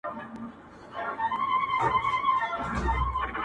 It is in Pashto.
په روغتون کي شل پنځه ویشت شپې دېره سو٫